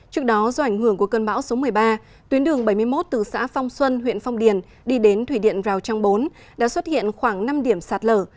từ cơn bão số một mươi ba tuyến đường bảy mươi một từ xã phong xuân huyện phong điền đi đến thủy điện rào trang bốn đã xuất hiện khoảng năm điểm sạt lở